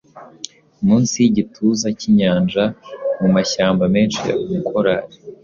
Munsi yigituza cyinyanja mumashyamba menshi ya korali,